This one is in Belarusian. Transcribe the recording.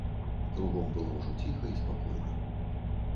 Кругом было ўжо ціха і спакойна.